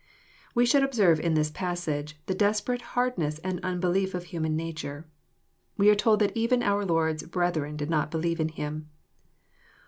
We should observe in this passage tJie desperate hard ness and unbelief of human nature. We are told that even our Lord's brethren did not bel\e^•e in Him."